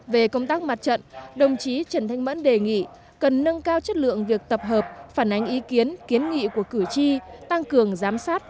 về công tác mặt trận đồng chí trần thanh mẫn đề nghị cần nâng cao chất lượng việc tập hợp phản ánh ý kiến kiến nghị của cử tri tăng cường giám sát phản biện xã hội